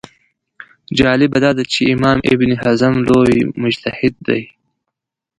جالبه دا ده چې امام ابن حزم لوی مجتهد دی